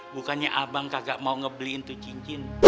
bukannya abang kagak mau ngebeliin tuh cincin